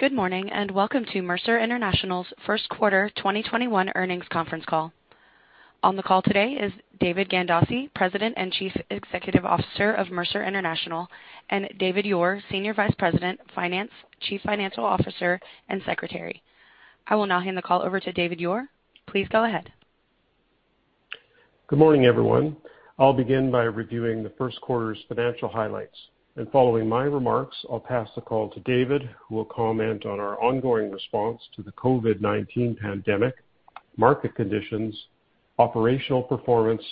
Good morning and welcome to Mercer International's first quarter 2021 earnings conference call. On the call today is David Gandossi, President and Chief Executive Officer of Mercer International, and David Ure, Senior Vice President Finance, Chief Financial Officer, and Secretary. I will now hand the call over to David Ure. Please go ahead. Good morning, everyone. I'll begin by reviewing the first quarter's financial highlights. Following my remarks, I'll pass the call to David, who will comment on our ongoing response to the COVID-19 pandemic, market conditions, operational performance,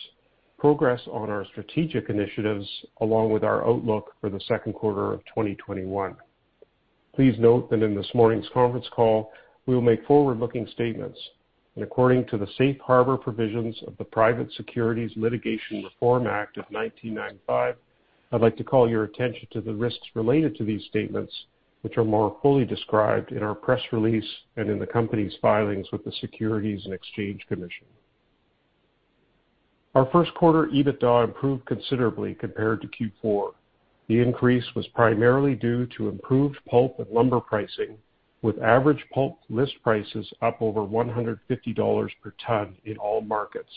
progress on our strategic initiatives, along with our outlook for the second quarter of 2021. Please note that in this morning's conference call, we will make forward-looking statements. According to the Safe Harbor Provisions of the Private Securities Litigation Reform Act of 1995, I'd like to call your attention to the risks related to these statements, which are more fully described in our press release and in the company's filings with the Securities and Exchange Commission. Our first quarter EBITDA improved considerably compared to Q4. The increase was primarily due to improved pulp and lumber pricing, with average pulp list prices up over $150 per ton in all markets,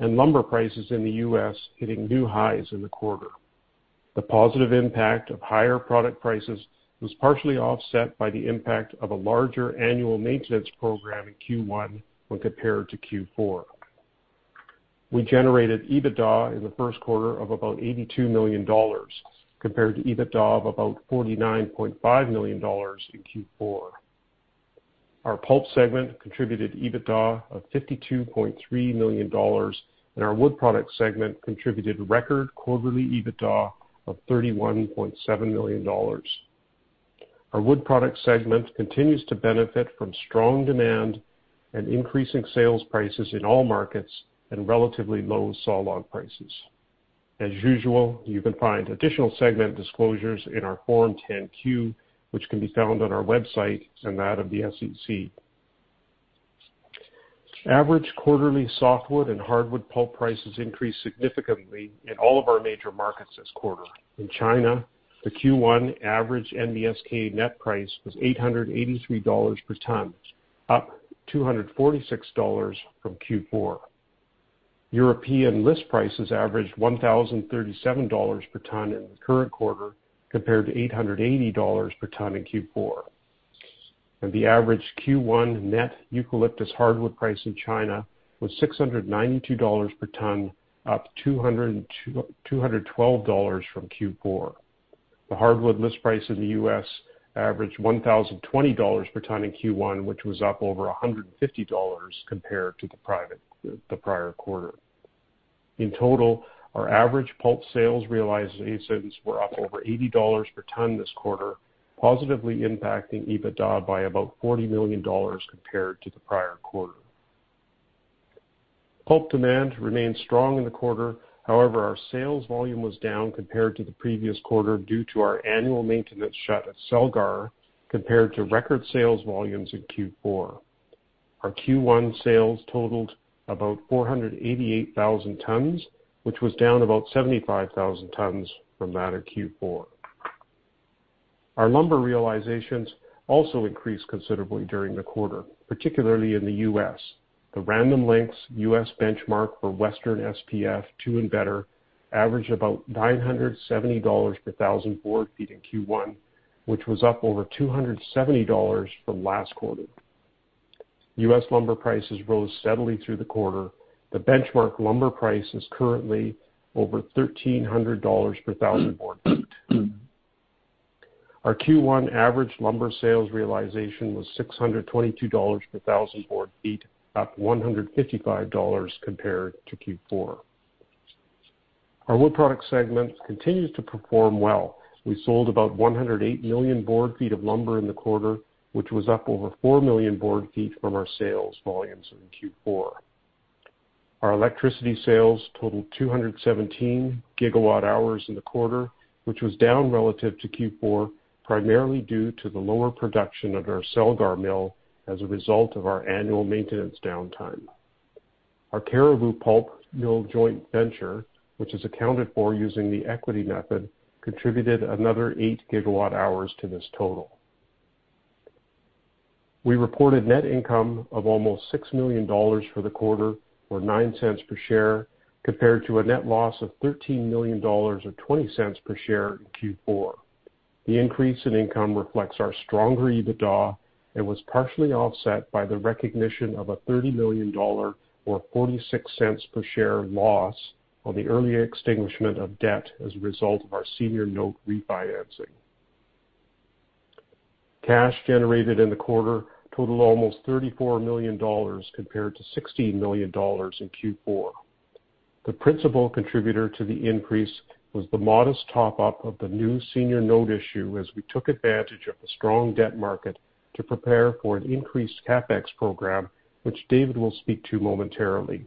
and lumber prices in the U.S. hitting new highs in the quarter. The positive impact of higher product prices was partially offset by the impact of a larger annual maintenance program in Q1 when compared to Q4. We generated EBITDA in the first quarter of about $82 million compared to EBITDA of about $49.5 million in Q4. Our pulp segment contributed EBITDA of $52.3 million, and our wood product segment contributed record quarterly EBITDA of $31.7 million. Our wood product segment continues to benefit from strong demand and increasing sales prices in all markets and relatively low saw log prices. As usual, you can find additional segment disclosures in our Form 10-Q, which can be found on our website and that of the SEC. Average quarterly softwood and hardwood pulp prices increased significantly in all of our major markets this quarter. In China, the Q1 average NBSK net price was $883 per ton, up $246 from Q4. European list prices averaged $1,037 per ton in the current quarter compared to $880 per ton in Q4, and the average Q1 net eucalyptus hardwood price in China was $692 per ton, up $212 from Q4. The hardwood list price in the U.S. averaged $1,020 per ton in Q1, which was up over $150 compared to the prior quarter. In total, our average pulp sales realizations were up over $80 per ton this quarter, positively impacting EBITDA by about $40 million compared to the prior quarter. Pulp demand remained strong in the quarter. However, our sales volume was down compared to the previous quarter due to our annual maintenance shut at Celgar compared to record sales volumes in Q4. Our Q1 sales totaled about 488,000 tons, which was down about 75,000 tons from that of Q4. Our lumber realizations also increased considerably during the quarter, particularly in the U.S. The Random Lengths U.S. benchmark for Western SPF #2 and Better averaged about $970 per thousand board feet in Q1, which was up over $270 from last quarter. U.S. lumber prices rose steadily through the quarter. The benchmark lumber price is currently over $1,300 per thousand board feet. Our Q1 average lumber sales realization was $622 per thousand board feet, up $155 compared to Q4. Our wood product segment continues to perform well. We sold about 108 million board feet of lumber in the quarter, which was up over 4 million board feet from our sales volumes in Q4. Our electricity sales totaled 217 gigawatt hours in the quarter, which was down relative to Q4, primarily due to the lower production at our Celgar mill as a result of our annual maintenance downtime. Our Cariboo Pulp Mill Joint Venture, which is accounted for using the equity method, contributed another 8 gigawatt hours to this total. We reported net income of almost $6 million for the quarter, or $0.09 per share, compared to a net loss of $13 million or $0.20 per share in Q4. The increase in income reflects our stronger EBITDA and was partially offset by the recognition of a $30 million or $0.46 per share loss on the early extinguishment of debt as a result of our senior note refinancing. Cash generated in the quarter totaled almost $34 million compared to $16 million in Q4. The principal contributor to the increase was the modest top-up of the new senior note issue as we took advantage of the strong debt market to prepare for an increased CapEx program, which David will speak to momentarily.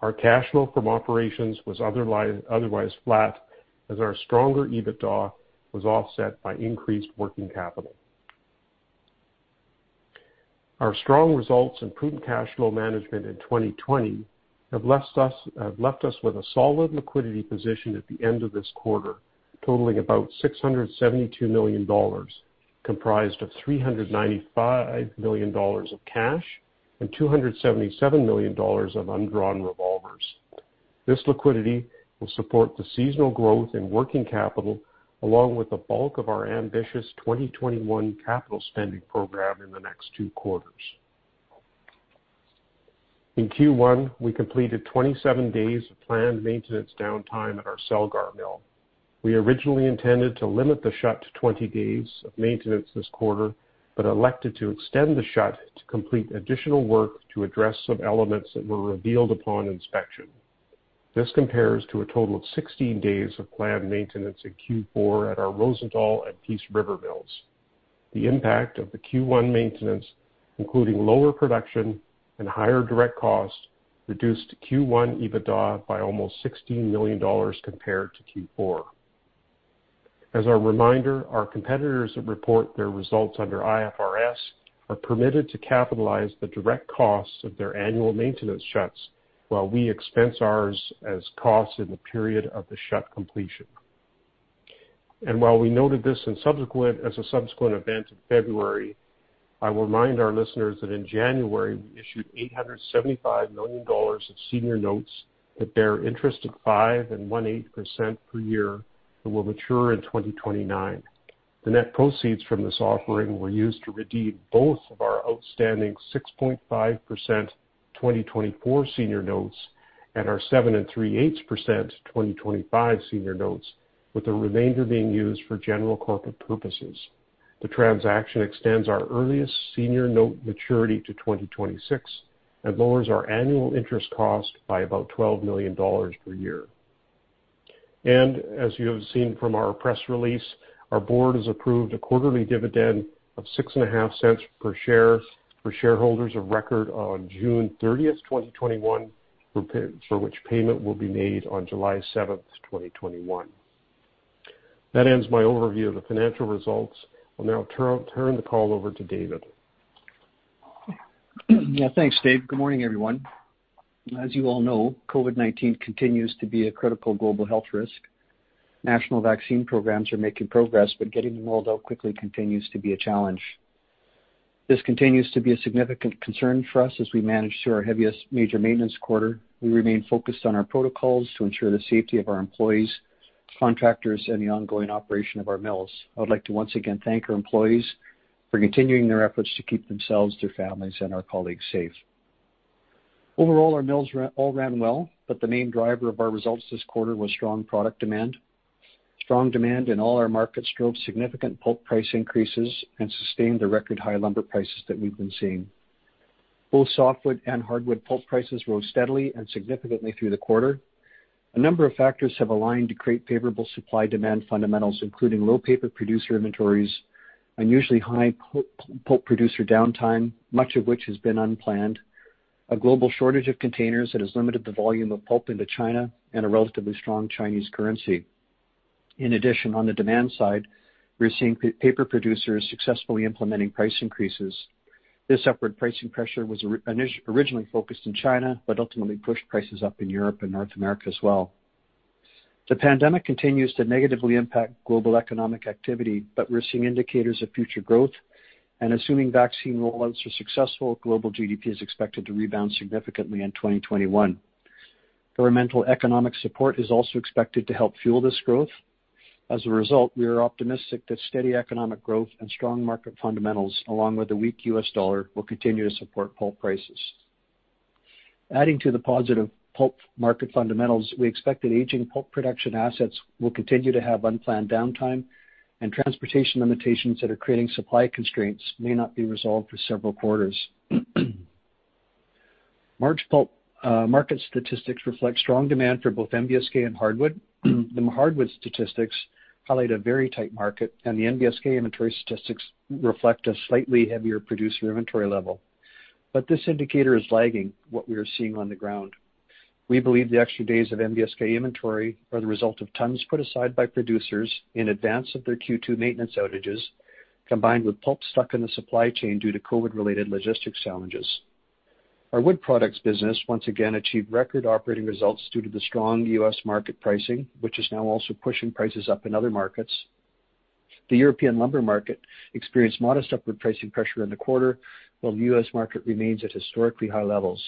Our cash flow from operations was otherwise flat, as our stronger EBITDA was offset by increased working capital. Our strong results and prudent cash flow management in 2020 have left us with a solid liquidity position at the end of this quarter, totaling about $672 million, comprised of $395 million of cash and $277 million of undrawn revolvers. This liquidity will support the seasonal growth in working capital, along with the bulk of our ambitious 2021 capital spending program in the next two quarters. In Q1, we completed 27 days of planned maintenance downtime at our Celgar mill. We originally intended to limit the shut to 20 days of maintenance this quarter, but elected to extend the shut to complete additional work to address some elements that were revealed upon inspection. This compares to a total of 16 days of planned maintenance in Q4 at our Rosenthal and Peace River mills. The impact of the Q1 maintenance, including lower production and higher direct cost, reduced Q1 EBITDA by almost $16 million compared to Q4. As a reminder, our competitors that report their results under IFRS are permitted to capitalize the direct costs of their annual maintenance shuts, while we expense ours as costs in the period of the shut completion. While we noted this as a subsequent event in February, I will remind our listeners that in January, we issued $875 million of Senior Notes that bear interest at 5.08% per year and will mature in 2029. The net proceeds from this offering were used to redeem both of our outstanding 6.5% 2024 Senior Notes and our 7.38% 2025 Senior Notes, with the remainder being used for general corporate purposes. The transaction extends our earliest senior note maturity to 2026 and lowers our annual interest cost by about $12 million per year. As you have seen from our press release, our Board has approved a quarterly dividend of $0.065 per share for shareholders of record on June 30, 2021, for which payment will be made on July 7, 2021. That ends my overview of the financial results. I'll now turn the call over to David. Yeah, thanks, Dave. Good morning, everyone. As you all know, COVID-19 continues to be a critical global health risk. National vaccine programs are making progress, but getting them rolled out quickly continues to be a challenge. This continues to be a significant concern for us as we manage through our heaviest major maintenance quarter. We remain focused on our protocols to ensure the safety of our employees, contractors, and the ongoing operation of our mills. I would like to once again thank our employees for continuing their efforts to keep themselves, their families, and our colleagues safe. Overall, our mills all ran well, but the main driver of our results this quarter was strong product demand. Strong demand in all our markets drove significant pulp price increases and sustained the record high lumber prices that we've been seeing. Both softwood and hardwood pulp prices rose steadily and significantly through the quarter. A number of factors have aligned to create favorable supply-demand fundamentals, including low paper producer inventories and usually high pulp producer downtime, much of which has been unplanned, a global shortage of containers that has limited the volume of pulp into China, and a relatively strong Chinese currency. In addition, on the demand side, we're seeing paper producers successfully implementing price increases. This upward pricing pressure was originally focused in China, but ultimately pushed prices up in Europe and North America as well. The pandemic continues to negatively impact global economic activity, but we're seeing indicators of future growth, and assuming vaccine rollouts are successful, global GDP is expected to rebound significantly in 2021. Governmental economic support is also expected to help fuel this growth. As a result, we are optimistic that steady economic growth and strong market fundamentals, along with a weak U.S. dollar, will continue to support pulp prices. Adding to the positive pulp market fundamentals, we expect that aging pulp production assets will continue to have unplanned downtime, and transportation limitations that are creating supply constraints may not be resolved for several quarters. March pulp market statistics reflect strong demand for both NBSK and hardwood. The hardwood statistics highlight a very tight market, and the NBSK inventory statistics reflect a slightly heavier producer inventory level. But this indicator is lagging what we are seeing on the ground. We believe the extra days of NBSK inventory are the result of tons put aside by producers in advance of their Q2 maintenance outages, combined with pulp stuck in the supply chain due to COVID-related logistics challenges. Our wood products business once again achieved record operating results due to the strong U.S. market pricing, which is now also pushing prices up in other markets. The European lumber market experienced modest upward pricing pressure in the quarter, while the U.S. market remains at historically high levels.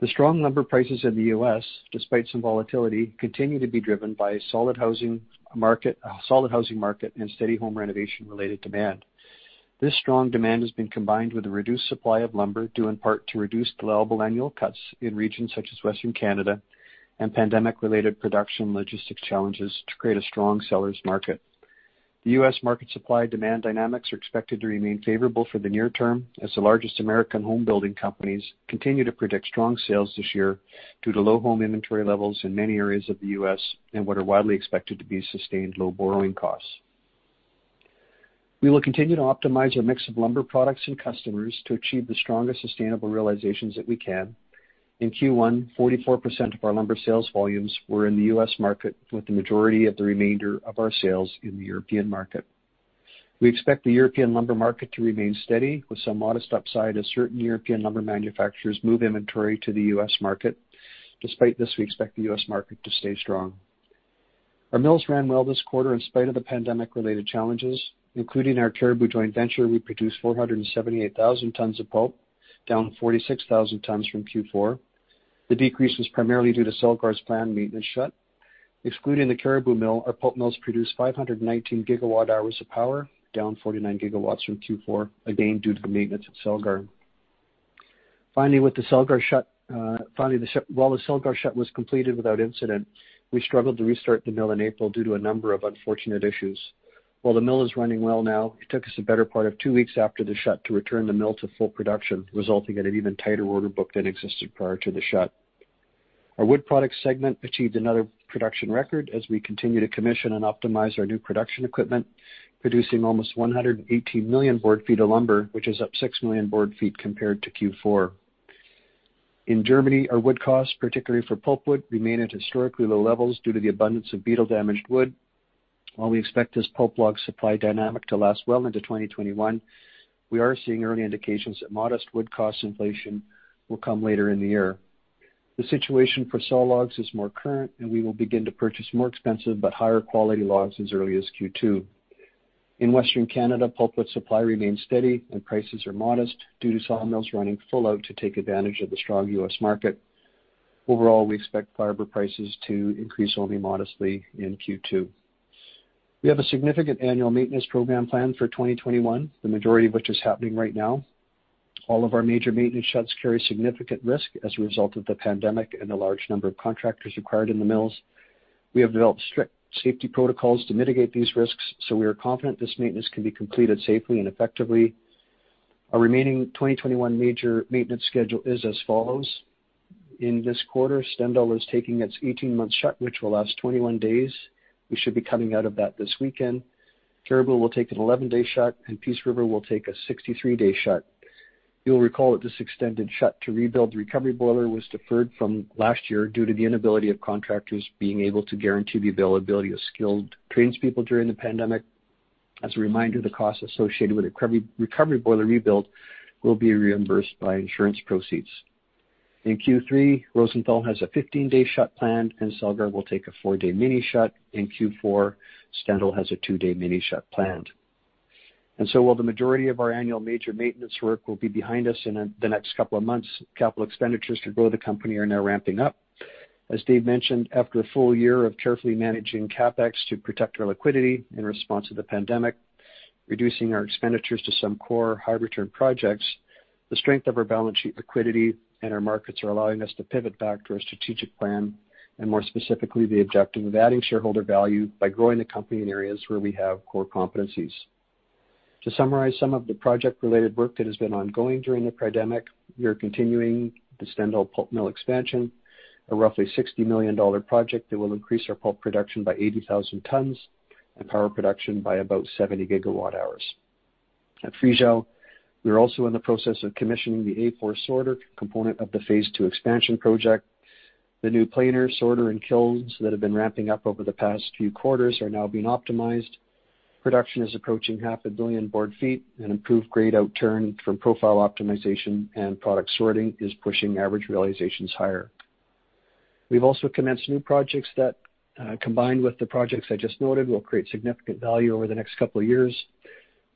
The strong lumber prices in the U.S., despite some volatility, continue to be driven by a solid housing market and steady home renovation-related demand. This strong demand has been combined with a reduced supply of lumber due in part to reduced allowable annual cuts in regions such as Western Canada and pandemic-related production logistics challenges to create a strong seller's market. The U.S. market supply-demand dynamics are expected to remain favorable for the near term, as the largest American home building companies continue to predict strong sales this year due to low home inventory levels in many areas of the U.S. And what are widely expected to be sustained low borrowing costs. We will continue to optimize our mix of lumber products and customers to achieve the strongest sustainable realizations that we can. In Q1, 44% of our lumber sales volumes were in the U.S. market, with the majority of the remainder of our sales in the European market. We expect the European lumber market to remain steady, with some modest upside as certain European lumber manufacturers move inventory to the U.S. market. Despite this, we expect the U.S. market to stay strong. Our mills ran well this quarter in spite of the pandemic-related challenges. Including our Cariboo Joint Venture, we produced 478,000 tons of pulp, down 46,000 tons from Q4. The decrease was primarily due to Celgar's planned maintenance shut. Excluding the Cariboo mill, our pulp mills produced 519 gigawatt hours of power, down 49 gigawatts from Q4, again due to the maintenance at Celgar. Finally, while the Celgar shut was completed without incident, we struggled to restart the mill in April due to a number of unfortunate issues. While the mill is running well now, it took us a better part of two weeks after the shut to return the mill to full production, resulting in an even tighter order book than existed prior to the shut. Our wood products segment achieved another production record as we continue to commission and optimize our new production equipment, producing almost 118 million board feet of lumber, which is up 6 million board feet compared to Q4. In Germany, our wood costs, particularly for pulp wood, remain at historically low levels due to the abundance of beetle-damaged wood. While we expect this pulp log supply dynamic to last well into 2021, we are seeing early indications that modest wood cost inflation will come later in the year. The situation for saw logs is more current, and we will begin to purchase more expensive but higher quality logs as early as Q2. In Western Canada, pulpwood supply remains steady, and prices are modest due to saw mills running full out to take advantage of the strong U.S. market. Overall, we expect fiber prices to increase only modestly in Q2. We have a significant annual maintenance program planned for 2021, the majority of which is happening right now. All of our major maintenance shuts carry significant risk as a result of the pandemic and the large number of contractors required in the mills. We have developed strict safety protocols to mitigate these risks, so we are confident this maintenance can be completed safely and effectively. Our remaining 2021 major maintenance schedule is as follows. In this quarter, Stendal is taking its 18-month shut, which will last 21 days. We should be coming out of that this weekend. Cariboo will take an 11-day shut, and Peace River will take a 63-day shut. You'll recall that this extended shut to rebuild the recovery boiler was deferred from last year due to the inability of contractors being able to guarantee the availability of skilled trained people during the pandemic. As a reminder, the cost associated with a recovery boiler rebuild will be reimbursed by insurance proceeds. In Q3, Rosenthal has a 15-day shut planned, and Celgar will take a four-day mini shut. In Q4, Stendal has a two-day mini shut planned. While the majority of our annual major maintenance work will be behind us in the next couple of months, capital expenditures to grow the company are now ramping up. As Dave mentioned, after a full year of carefully managing CapEx to protect our liquidity in response to the pandemic, reducing our expenditures to some core high-return projects, the strength of our balance sheet liquidity and our markets are allowing us to pivot back to our strategic plan, and more specifically, the objective of adding shareholder value by growing the company in areas where we have core competencies. To summarize some of the project-related work that has been ongoing during the pandemic, we are continuing the Stendal pulp mill expansion, a roughly $60 million project that will increase our pulp production by 80,000 tons and power production by about 70 gigawatt hours. At Friesau, we're also in the process of commissioning the A4 sorter component of the phase two expansion project. The new planer, sorter, and kilns that have been ramping up over the past few quarters are now being optimized. Production is approaching 500 million board feet, and improved grade outturn from profile optimization and product sorting is pushing average realizations higher. We've also commenced new projects that, combined with the projects I just noted, will create significant value over the next couple of years.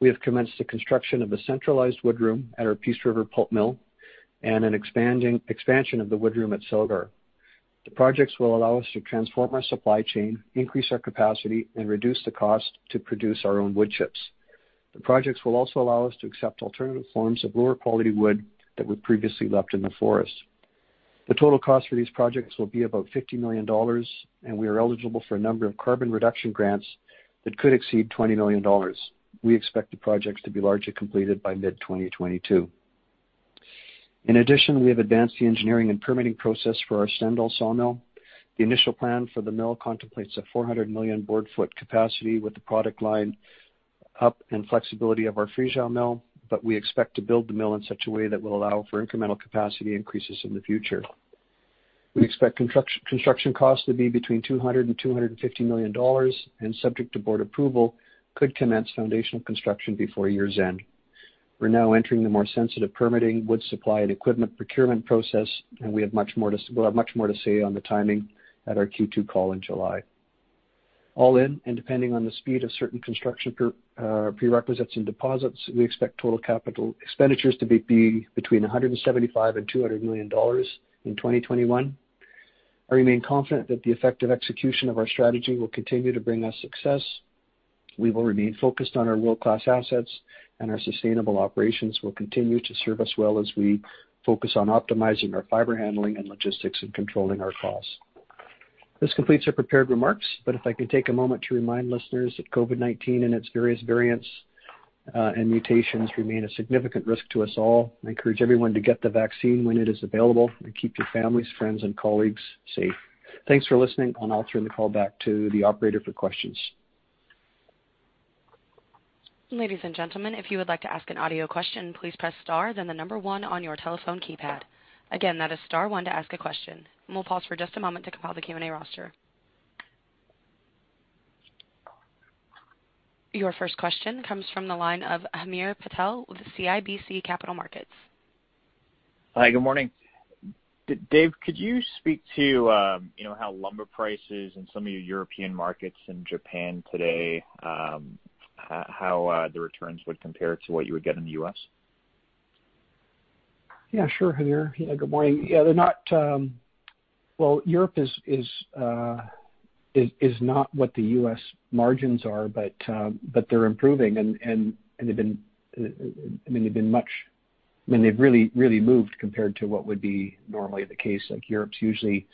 We have commenced the construction of a centralized wood room at our Peace River Pulp mill and an expansion of the wood room at Celgar. The projects will allow us to transform our supply chain, increase our capacity, and reduce the cost to produce our own wood chips. The projects will also allow us to accept alternative forms of lower quality wood that were previously left in the forest. The total cost for these projects will be about $50 million, and we are eligible for a number of carbon reduction grants that could exceed $20 million. We expect the projects to be largely completed by mid-2022. In addition, we have advanced the engineering and permitting process for our Stendal sawmill. The initial plan for the mill contemplates a 400 million board feet capacity with the product line up and flexibility of our Friesau mill, but we expect to build the mill in such a way that will allow for incremental capacity increases in the future. We expect construction costs to be between $200 and 250 million, and subject to board approval, could commence foundational construction before year's end. We're now entering the more sensitive permitting, wood supply, and equipment procurement process, and we have much more to say on the timing at our Q2 call in July. All in, and depending on the speed of certain construction prerequisites and deposits, we expect total capital expenditures to be between $175 and 200 million in 2021. I remain confident that the effective execution of our strategy will continue to bring us success. We will remain focused on our world-class assets, and our sustainable operations will continue to serve us well as we focus on optimizing our fiber handling and logistics and controlling our costs. This completes our prepared remarks, but if I can take a moment to remind listeners that COVID-19 and its various variants and mutations remain a significant risk to us all. I encourage everyone to get the vaccine when it is available and keep your families, friends, and colleagues safe. Thanks for listening, and I'll turn the call back to the operator for questions. Ladies and gentlemen, if you would like to ask an audio question, please press star, then the number one on your telephone keypad. Again, that is star one to ask a question. And we'll pause for just a moment to compile the Q&A roster. Your first question comes from the line of Hamir Patel with CIBC Capital Markets. Hi, good morning. Dave, could you speak to how lumber prices in some of your European markets and Japan today, how the returns would compare to what you would get in the U.S.? Yeah, sure, Hamir. Yeah, good morning. Yeah, they're not. Well, Europe is not what the U.S. margins are, but they're improving. And they've been. I mean, they've been much. I mean, they've really, really moved compared to what would be normally the case. Like Europe's usually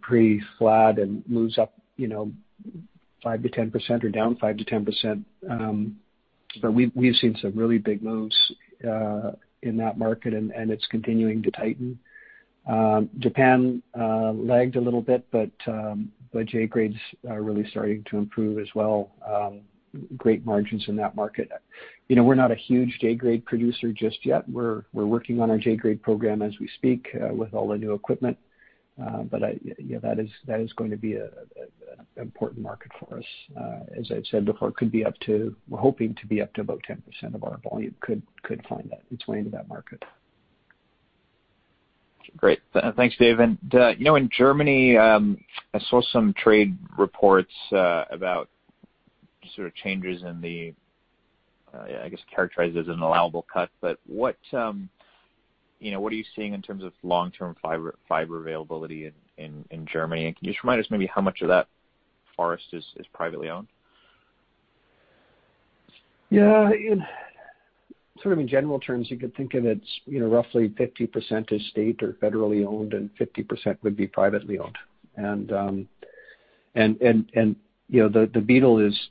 pretty flat and moves up 5%-10% or down 5%-10%. But we've seen some really big moves in that market, and it's continuing to tighten. Japan lagged a little bit, but J-grades are really starting to improve as well. Great margins in that market. We're not a huge J-grade producer just yet. We're working on our J-grade program as we speak with all the new equipment. But yeah, that is going to be an important market for us. As I've said before, it could be up to, we're hoping to be up to about 10% of our volume could find its way into that market. Great. Thanks, Dave. And in Germany, I saw some trade reports about sort of changes in the, I guess, characterized as an allowable cut. But what are you seeing in terms of long-term fiber availability in Germany? And can you just remind us maybe how much of that forest is privately owned? Yeah. Sort of in general terms, you could think of it as roughly 50% is state or federally owned, and 50% would be privately owned. And the beetle is,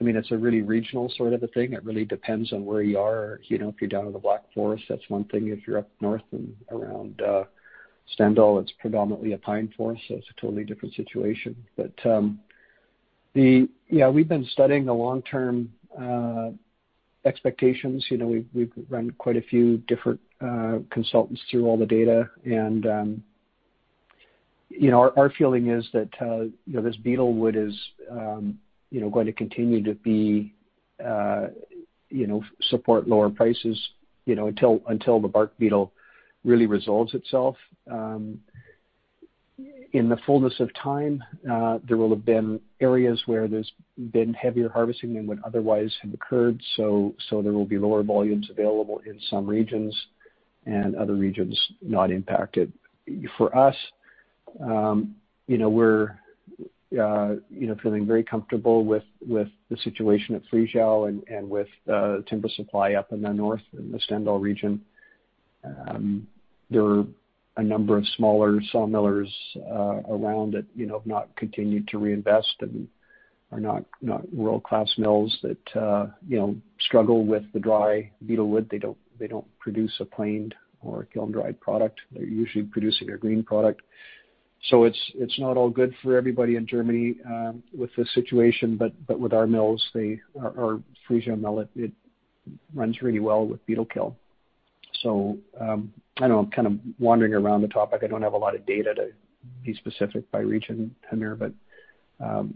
I mean, it's a really regional sort of a thing. It really depends on where you are. If you're down in the Black Forest, that's one thing. If you're up north and around Stendal, it's predominantly a pine forest, so it's a totally different situation. But yeah, we've been studying the long-term expectations. We've run quite a few different consultants through all the data. And our feeling is that this beetle wood is going to continue to support lower prices until the bark beetle really resolves itself. In the fullness of time, there will have been areas where there's been heavier harvesting than would otherwise have occurred, so there will be lower volumes available in some regions and other regions not impacted. For us, we're feeling very comfortable with the situation at Friesau and with timber supply up in the north in the Stendal region. There are a number of smaller saw millers around that have not continued to reinvest and are not world-class mills that struggle with the dry beetle-kill wood. They don't produce a planed or a kiln-dried product. They're usually producing a green product. So it's not all good for everybody in Germany with this situation. But with our mills, our Friesau mill, it runs really well with beetle-kill. So I don't know, I'm kind of wandering around the topic. I don't have a lot of data to be specific by region, Hamir, but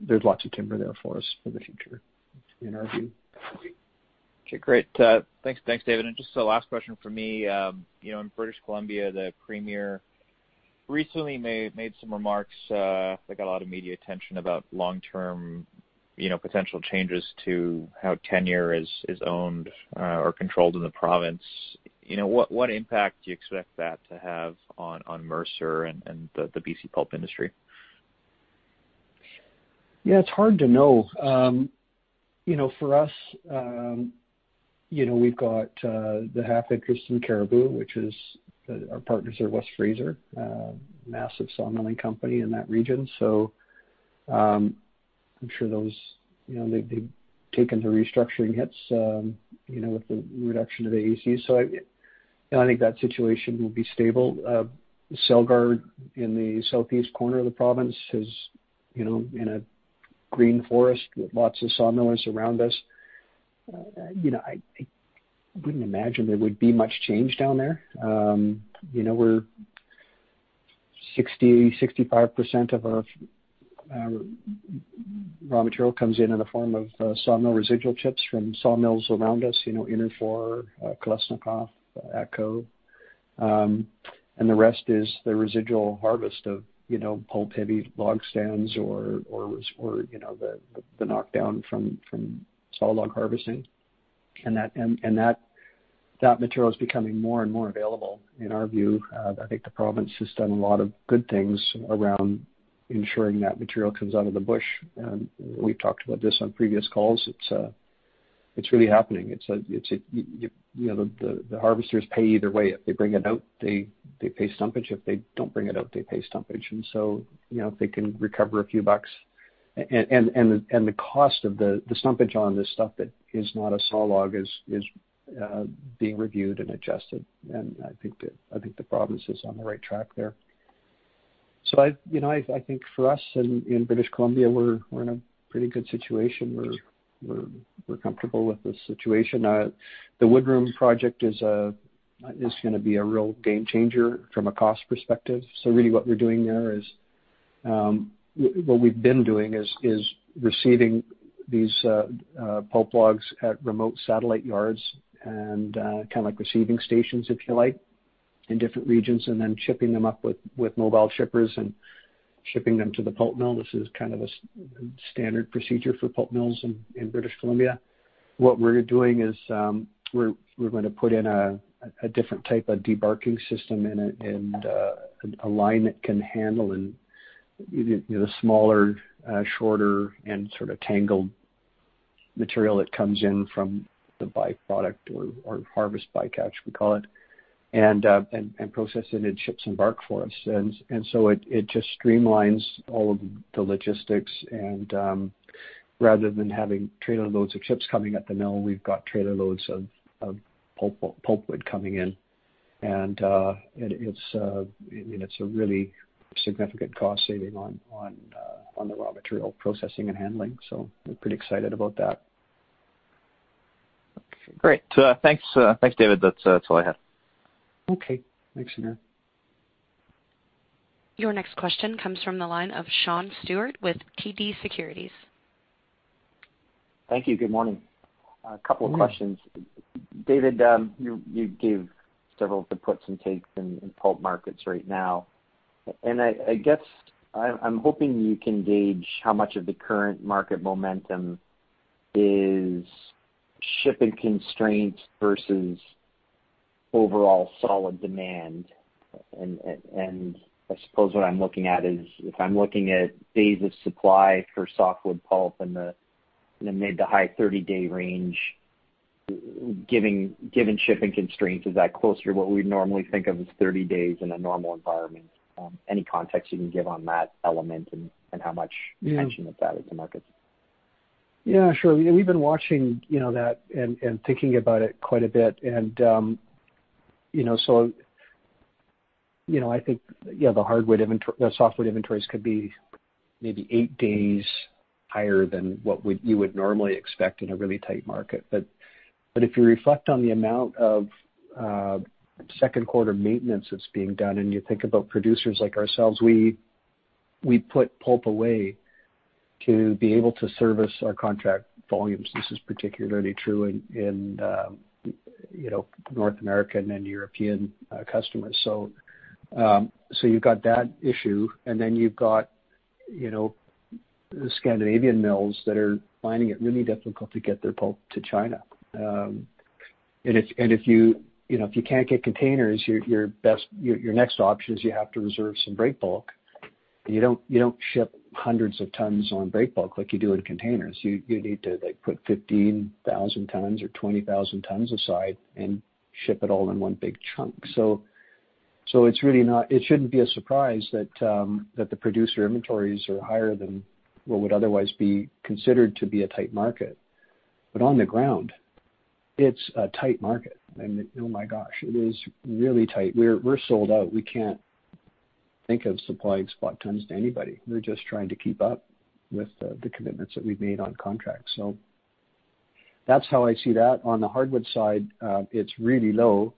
there's lots of timber there for us for the future in our view. Okay. Great. Thanks, David. And just a last question for me. In British Columbia, the premier recently made some remarks that got a lot of media attention about long-term potential changes to how tenure is owned or controlled in the province. What impact do you expect that to have on Mercer and the BC pulp industry? Yeah, it's hard to know. For us, we've got the half interest in Cariboo, which is our partners are West Fraser, a massive sawmilling company in that region. So I'm sure they've taken the restructuring hits with the reduction of the AACs. So I think that situation will be stable. Celgar in the southeast corner of the province is in a green forest with lots of sawmillers around us. I wouldn't imagine there would be much change down there. 60%-65% of our raw material comes in in the form of sawmill residual chips from sawmills around us, Interfor, Kalesnikoff, ATCO. The rest is the residual harvest of pulp-heavy log stands or the knockdown from saw log harvesting. That material is becoming more and more available in our view. I think the province has done a lot of good things around ensuring that material comes out of the bush, and we've talked about this on previous calls. It's really happening. The harvesters pay either way. If they bring it out, they pay stumpage. If they don't bring it out, they pay stumpage, and so if they can recover a few bucks, and the cost of the stumpage on this stuff that is not a saw log is being reviewed and adjusted, and I think the province is on the right track there, so I think for us in British Columbia, we're in a pretty good situation. We're comfortable with the situation. The wood room project is going to be a real game changer from a cost perspective. So really what we're doing there is what we've been doing is receiving these pulp logs at remote satellite yards and kind of like receiving stations, if you like, in different regions, and then chipping them up with mobile chippers and shipping them to the pulp mill. This is kind of a standard procedure for pulp mills in British Columbia. What we're doing is we're going to put in a different type of debarking system and a line that can handle the smaller, shorter, and sort of tangled material that comes in from the byproduct or harvest bycatch, we call it, and process it and chips and bark for us. And so it just streamlines all of the logistics. And rather than having trailer loads of chips coming at the mill, we've got trailer loads of pulp wood coming in. I mean, it's a really significant cost saving on the raw material processing and handling. So we're pretty excited about that. Okay. Great. Thanks, David. That's all I had. Okay. Thanks, Hamir. Your next question comes from the line of Sean Stewart with TD Securities. Thank you. Good morning. A couple of questions. David, you gave several inputs and takes in pulp markets right now. And I guess I'm hoping you can gauge how much of the current market momentum is shipping constraints versus overall solid demand. And I suppose what I'm looking at is if I'm looking at days of supply for softwood pulp in the mid- to high-30-day range, given shipping constraints, is that closer to what we normally think of as 30 days in a normal environment? Any context you can give on that element and how much tension that's added to markets? Yeah, sure. We've been watching that and thinking about it quite a bit. And so I think, yeah, the softwood inventories could be maybe eight days higher than what you would normally expect in a really tight market. But if you reflect on the amount of second quarter maintenance that's being done and you think about producers like ourselves, we put pulp away to be able to service our contract volumes. This is particularly true in North American and European customers. So you've got that issue. And then you've got Scandinavian mills that are finding it really difficult to get their pulp to China. And if you can't get containers, your next option is you have to reserve some break bulk. You don't ship hundreds of tons on break bulk like you do in containers. You need to put 15,000 tons or 20,000 tons aside and ship it all in one big chunk. So it shouldn't be a surprise that the producer inventories are higher than what would otherwise be considered to be a tight market, but on the ground, it's a tight market, and oh my gosh, it is really tight. We're sold out. We can't think of supplying spot tons to anybody. We're just trying to keep up with the commitments that we've made on contracts, so that's how I see that. On the hardwood side, it's really low,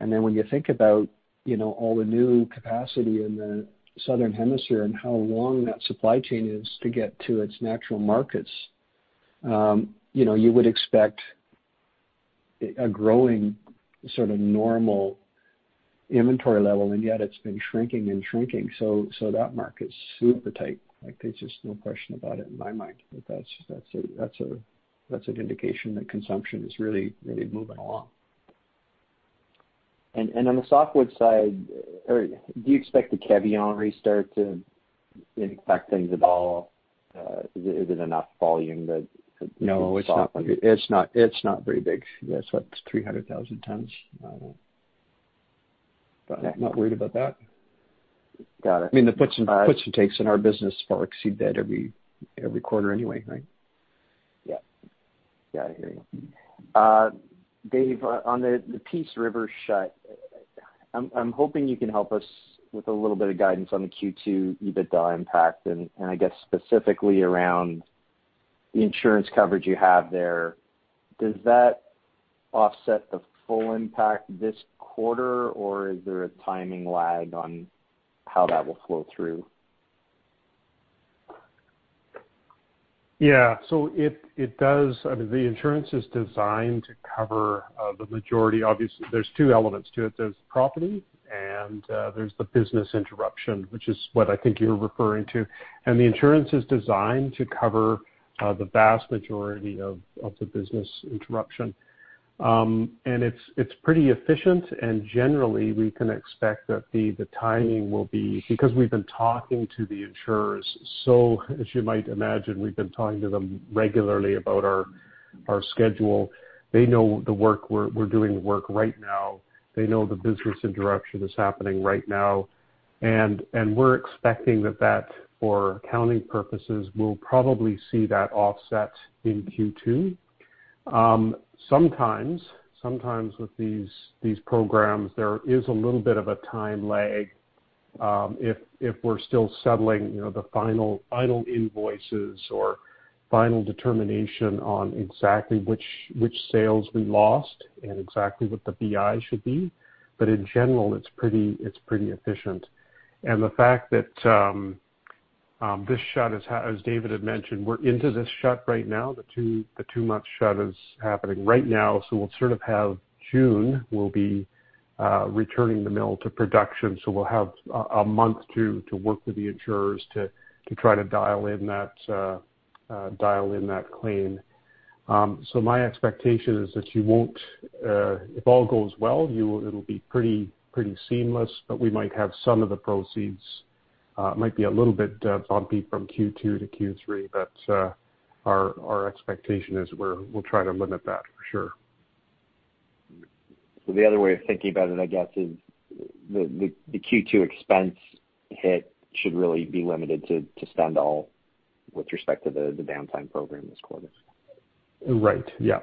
and then when you think about all the new capacity in the Southern Hemisphere and how long that supply chain is to get to its natural markets, you would expect a growing sort of normal inventory level, and yet it's been shrinking and shrinking, so that market's super tight. There's just no question about it in my mind. But that's an indication that consumption is really, really moving along. On the softwood side, do you expect the caveat on restart to impact things at all? Is it enough volume to stop? No, it's not very big. Yeah, it's about 300,000 tons. But I'm not worried about that. Got it. I mean, the puts and takes in our business far exceed that every quarter anyway, right? Yeah. Yeah, I hear you. Dave, on the Peace River shut, I'm hoping you can help us with a little bit of guidance on the Q2 EBITDA impact. And I guess specifically around the insurance coverage you have there, does that offset the full impact this quarter, or is there a timing lag on how that will flow through? Yeah. So it does. I mean, the insurance is designed to cover the majority. Obviously, there's two elements to it. There's property, and there's the business interruption, which is what I think you're referring to. And the insurance is designed to cover the vast majority of the business interruption. And it's pretty efficient. And generally, we can expect that the timing will be because we've been talking to the insurers. So as you might imagine, we've been talking to them regularly about our schedule. They know the work. We're doing the work right now. They know the business interruption is happening right now. And we're expecting that that, for accounting purposes, we'll probably see that offset in Q2. Sometimes with these programs, there is a little bit of a time lag if we're still settling the final invoices or final determination on exactly which sales we lost and exactly what the BI should be. But in general, it's pretty efficient. And the fact that this shut is, as David had mentioned, we're into this shut right now. The two-month shut is happening right now. So we'll sort of have June. We'll be returning the mill to production. So we'll have a month to work with the insurers to try to dial in that claim. So my expectation is that you won't, if all goes well, it'll be pretty seamless, but we might have some of the proceeds. It might be a little bit bumpy from Q2 to Q3, but our expectation is we'll try to limit that for sure. So the other way of thinking about it, I guess, is the Q2 expense hit should really be limited to Stendal with respect to the downtime program this quarter. Right. Yeah.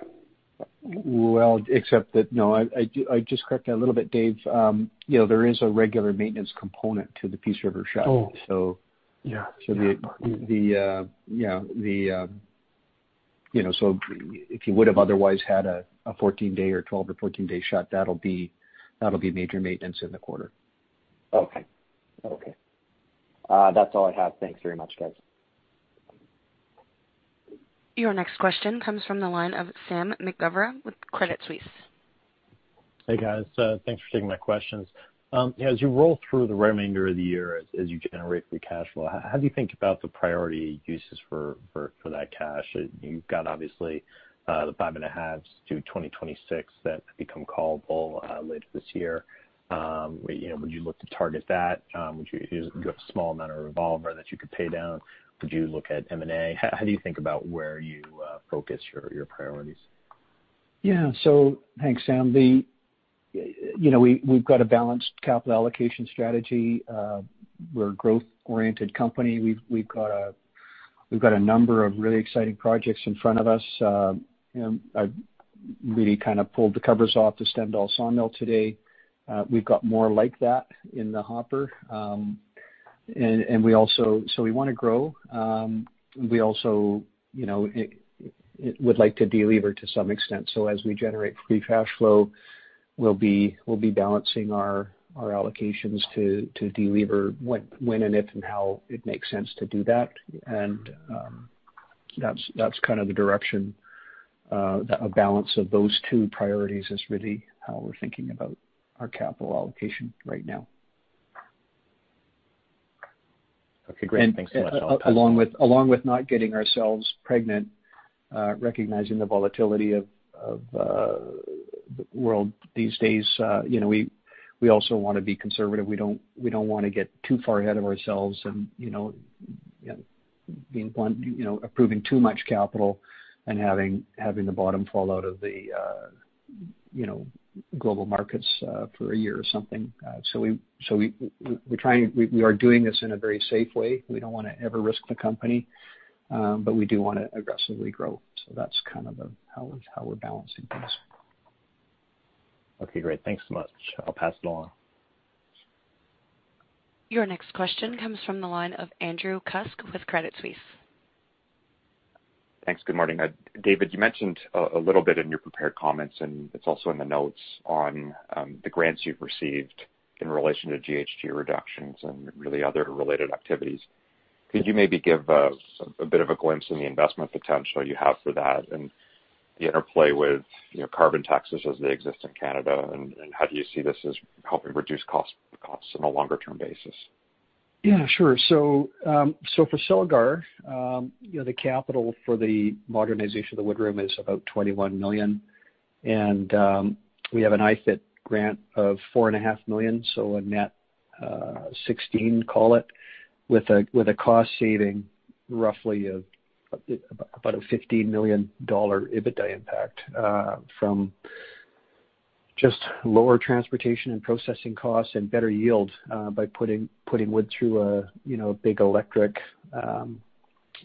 Well, except that, no, I just corrected a little bit, Dave. There is a regular maintenance component to the Peace River shut. So yeah, the yeah. So if you would have otherwise had a 14-day or 12 or 14-day shut, that'll be major maintenance in the quarter. Okay. That's all I have. Thanks very much, guys. Your next question comes from the line of Sam McGovern with Credit Suisse. Hey, guys. Thanks for taking my questions. As you roll through the remainder of the year, as you generate free cash flow, how do you think about the priority uses for that cash? You've got obviously the five and a half to 2026 that become callable later this year. Would you look to target that? Would you get a small amount of revolver that you could pay down? Would you look at M&A? How do you think about where you focus your priorities? Yeah. So thanks, Sam. We've got a balanced capital allocation strategy. We're a growth-oriented company. We've got a number of really exciting projects in front of us. I really kind of pulled the covers off the Stendal sawmill today. We've got more like that in the hopper. And so we want to grow. We also would like to deliver to some extent. So as we generate free cash flow, we'll be balancing our allocations to deliver when and if and how it makes sense to do that. And that's kind of the direction. A balance of those two priorities is really how we're thinking about our capital allocation right now. Okay. Great. Thanks so much. Along with not getting ourselves pregnant, recognizing the volatility of the world these days, we also want to be conservative. We don't want to get too far ahead of ourselves and being blunt, approving too much capital and having the bottom fall out of the global markets for a year or something. So we're trying—we are doing this in a very safe way. We don't want to ever risk the company, but we do want to aggressively grow. So that's kind of how we're balancing things. Okay. Great. Thanks so much. I'll pass it along. Your next question comes from the line of Andrew Kuske with Credit Suisse. Thanks. Good morning. David, you mentioned a little bit in your prepared comments, and it's also in the notes on the grants you've received in relation to GHG reductions and really other related activities. Could you maybe give a bit of a glimpse in the investment potential you have for that and the interplay with carbon taxes as they exist in Canada, and how do you see this as helping reduce costs on a longer-term basis? Yeah, sure. So for Celgar, the capital for the modernization of the wood room is about $21 million. And we have an IFIT grant of $4.5 million, so a net $16 million, call it, with a cost saving roughly of about a $15 million EBITDA impact from just lower transportation and processing costs and better yield by putting wood through a big electric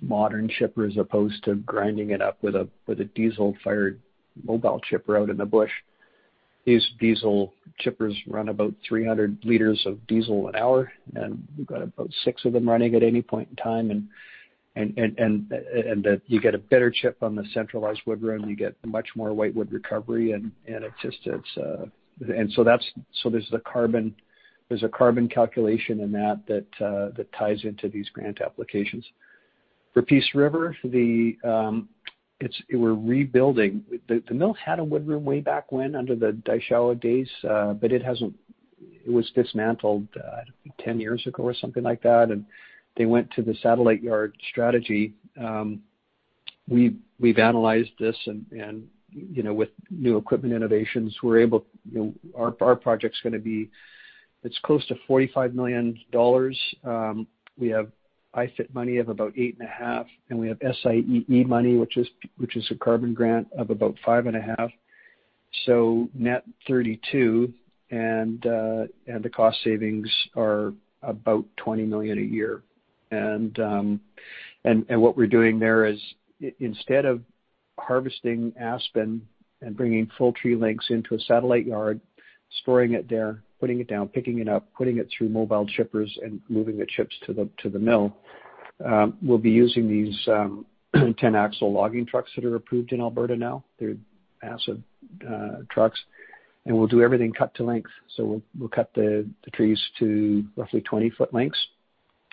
modern chipper as opposed to grinding it up with a diesel-fired mobile chipper out in the bush. These diesel chippers run about 300 liters of diesel an hour, and we've got about six of them running at any point in time. And you get a better chip on the centralized wood room. You get much more white wood recovery. And it's just—and so there's a carbon calculation in that that ties into these grant applications. For Peace River, we're rebuilding. The mill had a wood room way back when under the Daishowa days, but it was dismantled 10 years ago or something like that. They went to the satellite yard strategy. We've analyzed this. With new equipment innovations, we're able, our project's going to be, it's close to $45 million. We have IFIT money of about $8.5 million, and we have SIEE money, which is a carbon grant of about $5.5 million. Net $32 million, and the cost savings are about $20 million a year. What we're doing there is instead of harvesting aspen and bringing full tree lengths into a satellite yard, storing it there, putting it down, picking it up, putting it through mobile chippers, and moving the chips to the mill, we'll be using these 10-axle logging trucks that are approved in Alberta now. They're massive trucks. We'll do everything cut to length. We'll cut the trees to roughly 20-foot lengths,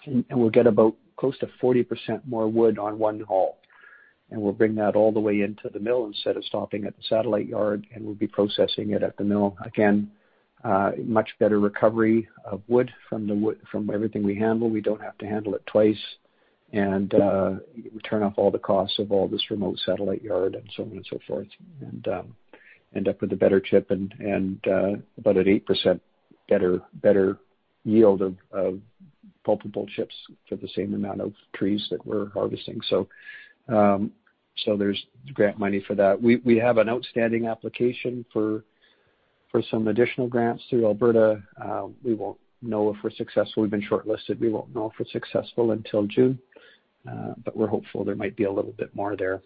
and we'll get about close to 40% more wood on one haul. And we'll bring that all the way into the mill instead of stopping at the satellite yard, and we'll be processing it at the mill. Again, much better recovery of wood from everything we handle. We don't have to handle it twice. And we turn off all the costs of all this remote satellite yard and so on and so forth and end up with a better chip and about an 8% better yield of pulpable chips for the same amount of trees that we're harvesting. So there's grant money for that. We have an outstanding application for some additional grants through Alberta. We won't know if we're successful. We've been shortlisted. We won't know if we're successful until June, but we're hopeful there might be a little bit more there.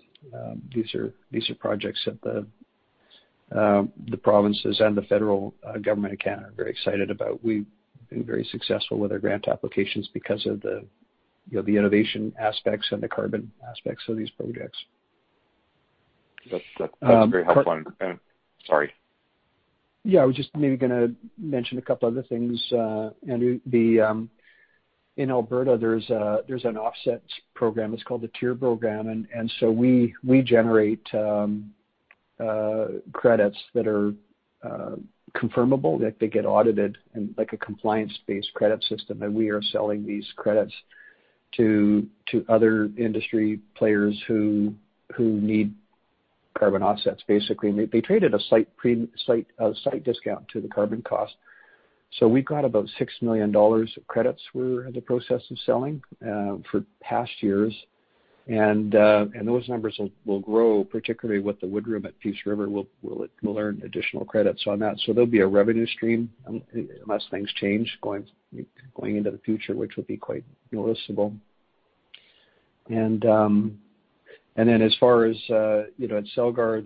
These are projects that the provinces and the federal government of Canada are very excited about. We've been very successful with our grant applications because of the innovation aspects and the carbon aspects of these projects. That's very helpful. And sorry. Yeah. I was just maybe going to mention a couple of other things. In Alberta, there's an offset program. It's called the TIER Program. And so we generate credits that are confirmable. They get audited in a compliance-based credit system. And we are selling these credits to other industry players who need carbon offsets, basically. They're traded at a discount to the carbon cost. So we've got about $6 million of credits we're in the process of selling for past years. And those numbers will grow, particularly with the wood room at Peace River. We'll earn additional credits on that. So there'll be a revenue stream unless things change going into the future, which will be quite noticeable. And then as far as at Celgar,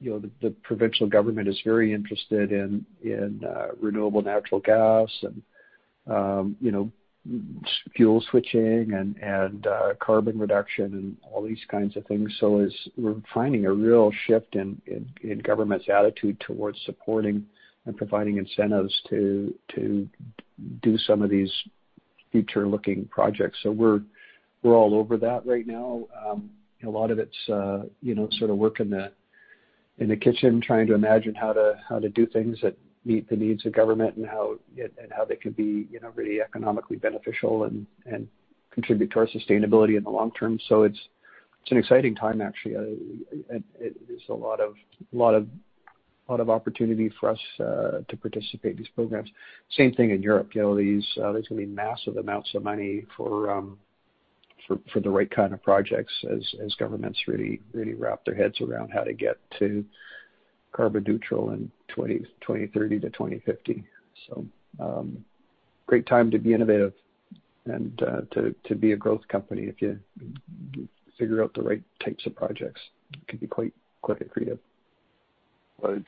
the provincial government is very interested in renewable natural gas and fuel switching and carbon reduction and all these kinds of things. We're finding a real shift in government's attitude towards supporting and providing incentives to do some of these future-looking projects. We're all over that right now. A lot of it's sort of work in the kitchen, trying to imagine how to do things that meet the needs of government and how they can be really economically beneficial and contribute to our sustainability in the long term. It's an exciting time, actually. There's a lot of opportunity for us to participate in these programs. Same thing in Europe. There's going to be massive amounts of money for the right kind of projects as governments really wrap their heads around how to get to carbon neutral in 2030-2050. Great time to be innovative and to be a growth company if you figure out the right types of projects. It can be quite creative.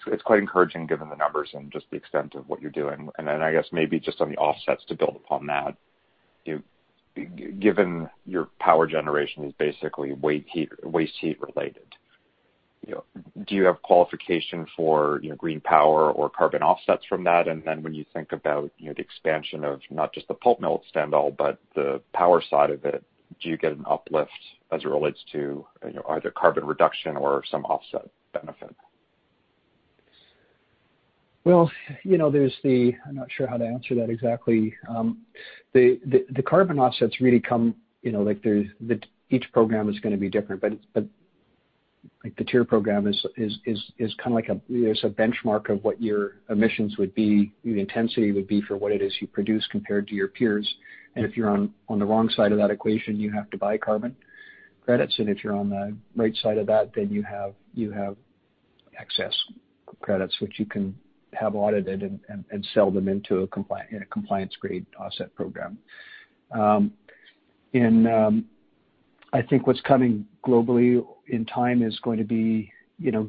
It's quite encouraging given the numbers and just the extent of what you're doing. Then I guess maybe just on the offsets to build upon that, given your power generation is basically waste heat related, do you have qualification for green power or carbon offsets from that? Then when you think about the expansion of not just the pulp mill at Stendal, but the power side of it, do you get an uplift as it relates to either carbon reduction or some offset benefit? I'm not sure how to answer that exactly. The carbon offsets really come. Each program is going to be different, but the TIR program is kind of like. There's a benchmark of what your emissions would be, the intensity would be for what it is you produce compared to your peers. And if you're on the wrong side of that equation, you have to buy carbon credits. And if you're on the right side of that, then you have excess credits, which you can have audited and sell them into a compliance-grade offset program. And I think what's coming globally in time is going to be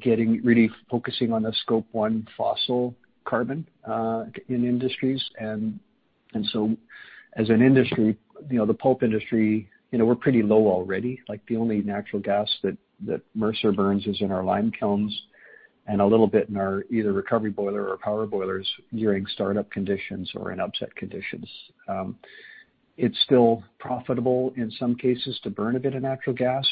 getting really focusing on the Scope 1 fossil carbon in industries. And so as an industry, the pulp industry, we're pretty low already. The only natural gas that Mercer burns is in our lime kilns and a little bit in our either recovery boiler or power boilers during startup conditions or in upset conditions. It's still profitable in some cases to burn a bit of natural gas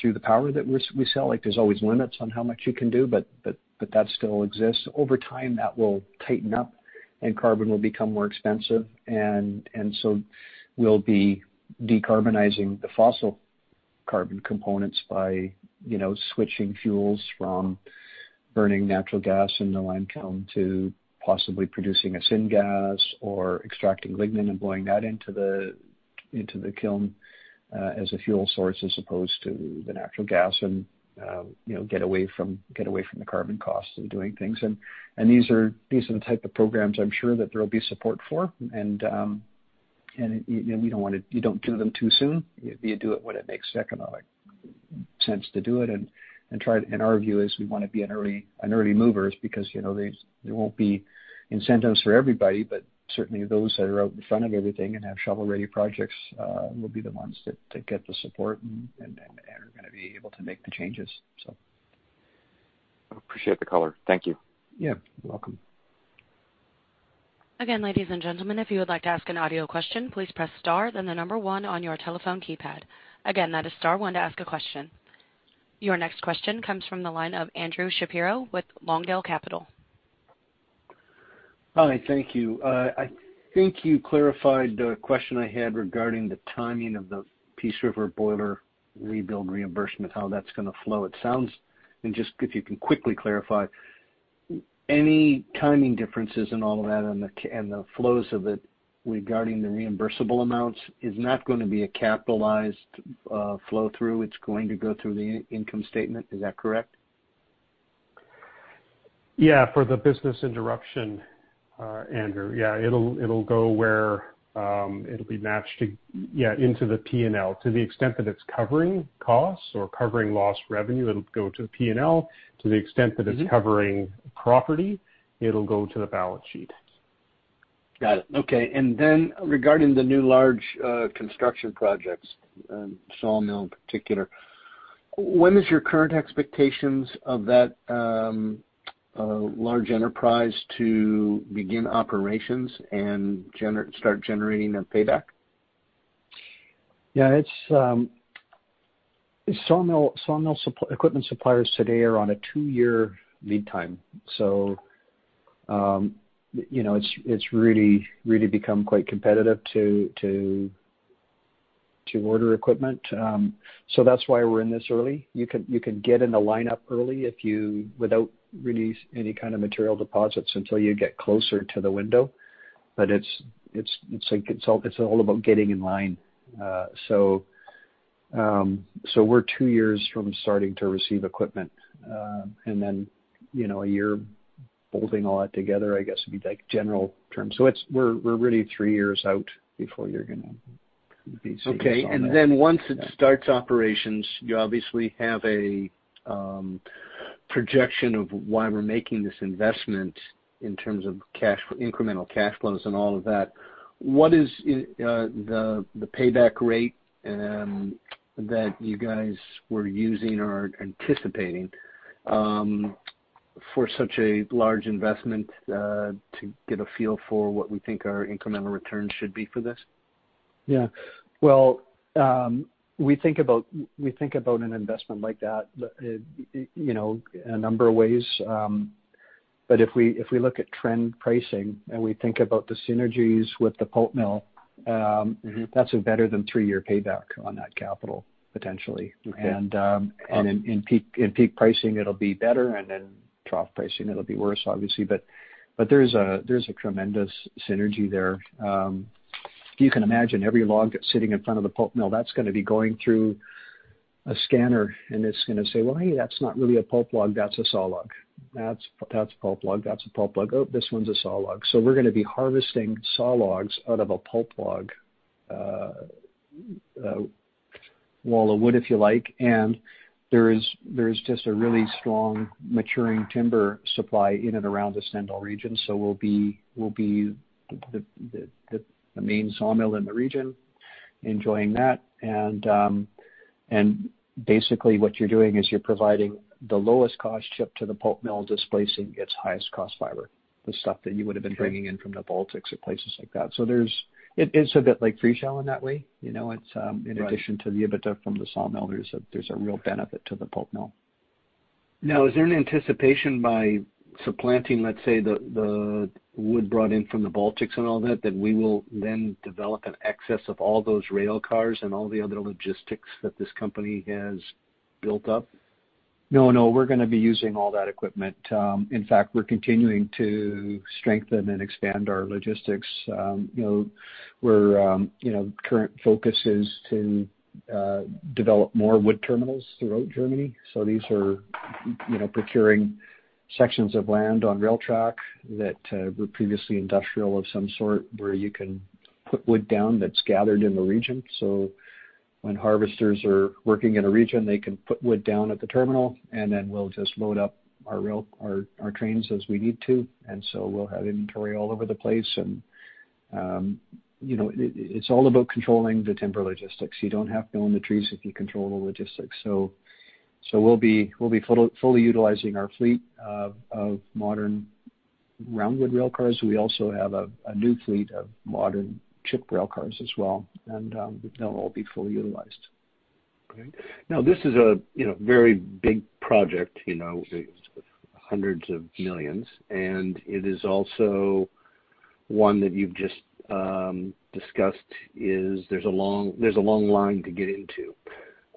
through the power that we sell. There's always limits on how much you can do, but that still exists. Over time, that will tighten up, and carbon will become more expensive, and so we'll be decarbonizing the fossil carbon components by switching fuels from burning natural gas in the lime kiln to possibly producing a syngas or extracting lignin and blowing that into the kiln as a fuel source as opposed to the natural gas and get away from the carbon costs of doing things, and these are the type of programs I'm sure that there will be support for. And we don't want to. You don't do them too soon. You do it when it makes economic sense to do it. And our view is we want to be an early mover because there won't be incentives for everybody, but certainly those that are out in front of everything and have shovel-ready projects will be the ones that get the support and are going to be able to make the changes, so. Appreciate the color. Thank you. Yeah. You're welcome. Again, ladies and gentlemen, if you would like to ask an audio question, please press star then the number one on your telephone keypad. Again, that is star one to ask a question. Your next question comes from the line of Andrew Shapiro with Lawndale Capital. Hi. Thank you. I think you clarified the question I had regarding the timing of the Peace River boiler rebuild reimbursement, how that's going to flow. It sounds, and just if you can quickly clarify, any timing differences in all of that and the flows of it regarding the reimbursable amounts is not going to be a capitalized flow-through. It's going to go through the income statement. Is that correct? Yeah. For the business interruption, Andrew, yeah, it'll go where it'll be matched into the P&L. To the extent that it's covering costs or covering lost revenue, it'll go to the P&L. To the extent that it's covering property, it'll go to the balance sheet. Got it. Okay. And then regarding the new large construction projects, sawmill in particular, when is your current expectations of that large enterprise to begin operations and start generating a payback? Yeah. Sawmill equipment suppliers today are on a two-year lead time. So it's really become quite competitive to order equipment. So that's why we're in this early. You can get in the lineup early without really any kind of material deposits until you get closer to the window. But it's all about getting in line. So we're two years from starting to receive equipment. And then a year building all that together, I guess, would be general terms. So we're really three years out before you're going to be seeing the results. Okay. And then, once it starts operations, you obviously have a projection of why we're making this investment in terms of incremental cash flows and all of that. What is the payback rate that you guys were using or anticipating for such a large investment to get a feel for what we think our incremental returns should be for this? Yeah. Well, we think about an investment like that a number of ways. But if we look at trend pricing and we think about the synergies with the pulp mill, that's better than three-year payback on that capital, potentially. And in peak pricing, it'll be better. And in trough pricing, it'll be worse, obviously. But there's a tremendous synergy there. You can imagine every log sitting in front of the pulp mill, that's going to be going through a scanner, and it's going to say, "Well, hey, that's not really a pulp log. That's a saw log. That's pulp log. That's a pulp log. Oh, this one's a saw log." So we're going to be harvesting saw logs out of a pulp log, wall of wood, if you like. And there's just a really strong maturing timber supply in and around the Stendal region. So we'll be the main sawmill in the region enjoying that. And basically, what you're doing is you're providing the lowest-cost chip to the pulp mill, displacing its highest-cost fiber, the stuff that you would have been bringing in from the Baltics or places like that. So it's a bit like Friesau in that way. In addition to the output from the sawmill, there's a real benefit to the pulp mill. Now, is there an anticipation by supplanting, let's say, the wood brought in from the Baltics and all that, that we will then develop an excess of all those railcars and all the other logistics that this company has built up? No, no. We're going to be using all that equipment. In fact, we're continuing to strengthen and expand our logistics. Our current focus is to develop more wood terminals throughout Germany. So these are procuring sections of land on rail track that were previously industrial of some sort where you can put wood down that's gathered in the region. So when harvesters are working in a region, they can put wood down at the terminal, and then we'll just load up our trains as we need to. And so we'll have inventory all over the place. And it's all about controlling the timber logistics. You don't have to own the trees if you control the logistics. So we'll be fully utilizing our fleet of modern roundwood railcars. We also have a new fleet of modern chip railcars as well. And they'll all be fully utilized. Great. Now, this is a very big project. It's $100 of millions. And it is also one that you've just discussed is there's a long line to get into.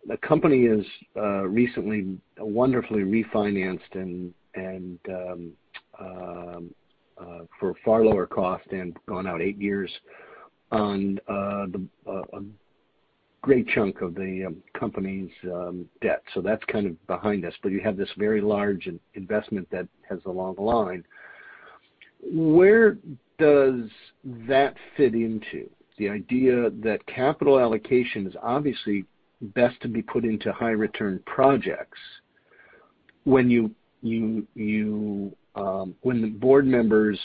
The company has recently wonderfully refinanced for far lower cost and gone out eight years on a great chunk of the company's debt. So that's kind of behind us. But you have this very large investment that has a long line. Where does that fit into? The idea that capital allocation is obviously best to be put into high-return projects when the board members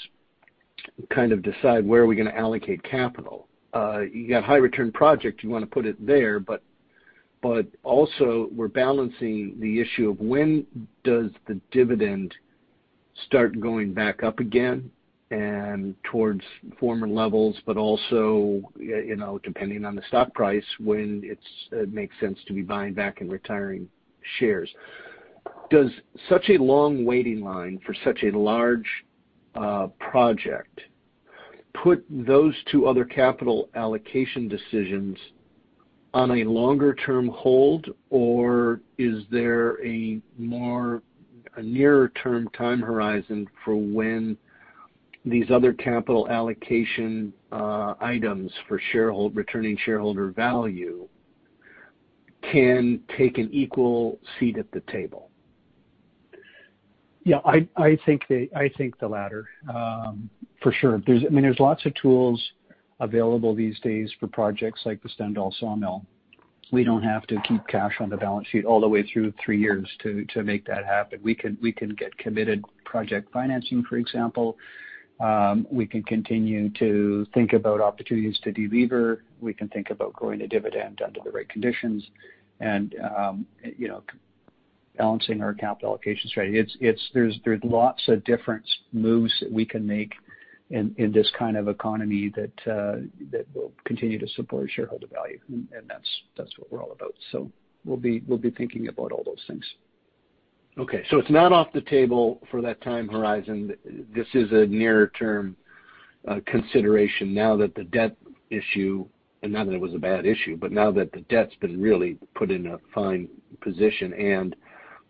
kind of decide where are we going to allocate capital. You got a high-return project. You want to put it there. But also, we're balancing the issue of when does the dividend start going back up again and towards former levels, but also depending on the stock price when it makes sense to be buying back and retiring shares. Does such a long waiting line for such a large project put those two other capital allocation decisions on a longer-term hold, or is there a nearer-term time horizon for when these other capital allocation items for returning shareholder value can take an equal seat at the table? Yeah. I think the latter, for sure. I mean, there's lots of tools available these days for projects like the Stendal saw mill. We don't have to keep cash on the balance sheet all the way through three years to make that happen. We can get committed project financing, for example. We can continue to think about opportunities to deliver. We can think about growing a dividend under the right conditions and balancing our capital allocation strategy. There's lots of different moves that we can make in this kind of economy that will continue to support shareholder value. And that's what we're all about. So we'll be thinking about all those things. Okay. So it's not off the table for that time horizon. This is a nearer-term consideration now that the debt issue, and not that it was a bad issue, but now that the debt's been really put in a fine position and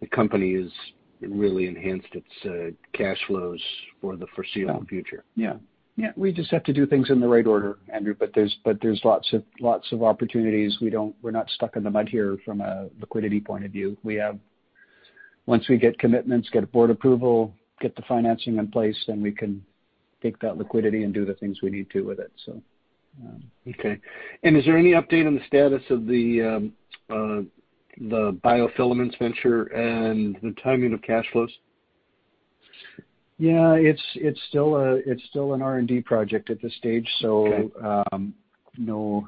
the company has really enhanced its cash flows for the foreseeable future. Yeah. Yeah. We just have to do things in the right order, Andrew. But there's lots of opportunities. We're not stuck in the mud here from a liquidity point of view. Once we get commitments, get board approval, get the financing in place, then we can take that liquidity and do the things we need to with it, so. Okay. And is there any update on the status of the BioFilaments venture and the timing of cash flows? Yeah. It's still an R&D project at this stage. So yeah,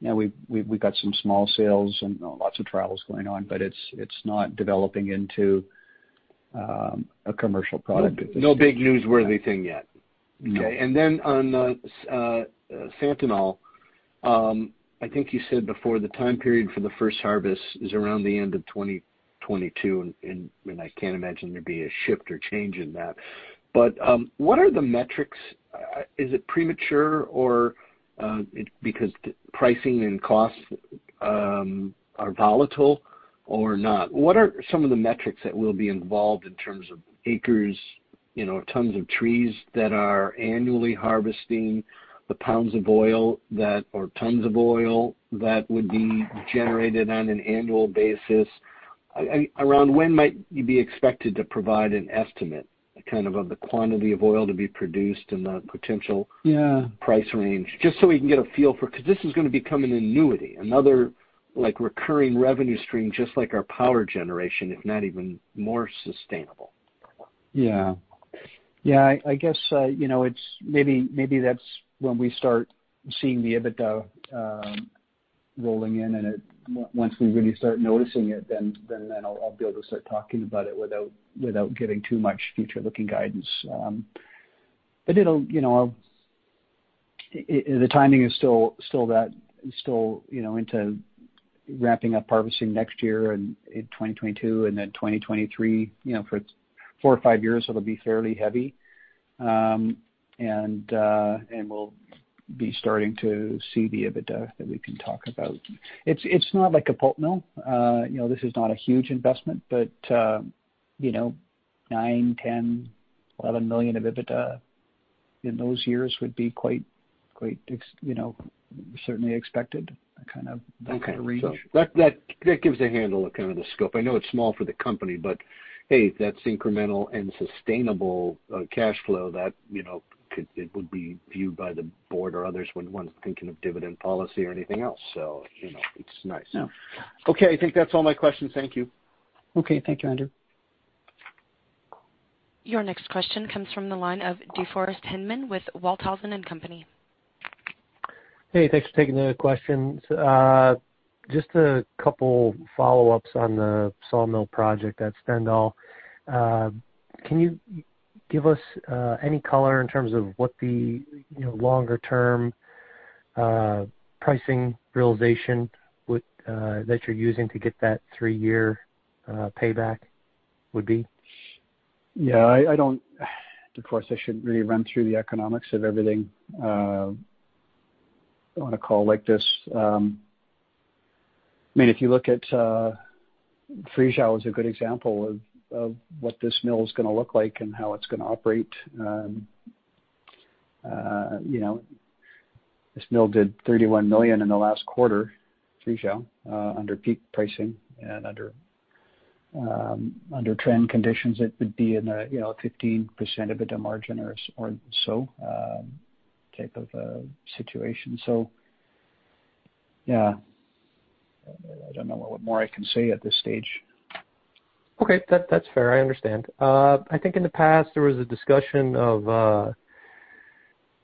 we've got some small sales and lots of trials going on, but it's not developing into a commercial product. No big newsworthy thing yet. Okay. And then on Stendal, I think you said before the time period for the first harvest is around the end of 2022. And I can't imagine there'd be a shift or change in that. But what are the metrics? Is it premature because pricing and costs are volatile or not? What are some of the metrics that will be involved in terms of acres, tons of trees that are annually harvesting, the pounds of oil or tons of oil that would be generated on an annual basis? Around when might you be expected to provide an estimate kind of the quantity of oil to be produced and the potential price range? Just so we can get a feel for, because this is going to become an annuity, another recurring revenue stream just like our power generation, if not even more sustainable. Yeah. Yeah. I guess maybe that's when we start seeing the EBITDA rolling in. And once we really start noticing it, then I'll be able to start talking about it without giving too much forward-looking guidance. But the timing is still that it's still into wrapping up harvesting next year in 2022 and then 2023. For four or five years, it'll be fairly heavy. And we'll be starting to see the EBITDA that we can talk about. It's not like a pulp mill. This is not a huge investment. But nine, 10, 11 million of EBITDA in those years would be quite certainly expected, kind of that range. Okay. So that gives a handle of kind of the scope. I know it's small for the company, but hey, that's incremental and sustainable cash flow that it would be viewed by the board or others when one's thinking of dividend policy or anything else. So it's nice. Okay. I think that's all my questions. Thank you. Okay. Thank you, Andrew. Your next question comes from the line of DeForest Hinman with Walthausen & Company. Hey, thanks for taking the question. Just a couple of follow-ups on the sawmill project at Stendal. Can you give us any color in terms of what the longer-term pricing realization that you're using to get that three-year payback would be? Yeah. Of course, I shouldn't really run through the economics of everything on a call like this. I mean, if you look at Friesau, it's a good example of what this mill is going to look like and how it's going to operate. This mill did $31 million in the last quarter, Friesau, under peak pricing and under trend conditions. It would be in a 15% EBITDA margin or so type of situation. So yeah, I don't know what more I can say at this stage. Okay. That's fair. I understand. I think in the past, there was a discussion of